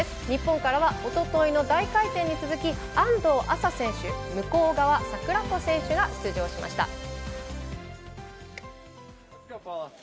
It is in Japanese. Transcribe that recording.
日本からはおとといの大回転に続き安藤麻選手、向川桜子選手が出場しました。